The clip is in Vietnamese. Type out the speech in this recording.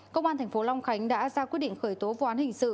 công an thành phố long khánh đã ra quyết định khởi tố vụ án hình sự